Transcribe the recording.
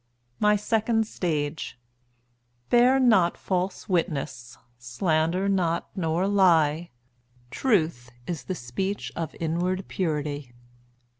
MY SECOND STAGE Bear not false witness, slander not, nor lie; Truth is the speech of inward purity.